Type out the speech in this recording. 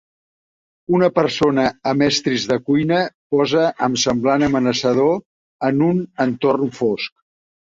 Una persona amb estris de cuina posa amb semblant amenaçador en un entorn fosc.